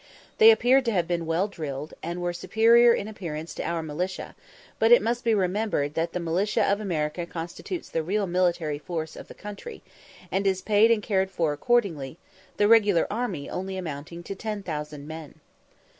They appeared to have been well drilled, and were superior in appearance to our militia; but it must be remembered that the militia of America constitutes the real military force of the country, and is paid and cared for accordingly; the regular army only amounting to ten thousand men.